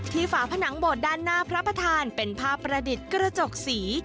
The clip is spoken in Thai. ฝาผนังโบดด้านหน้าพระประธานเป็นภาพประดิษฐ์กระจกสี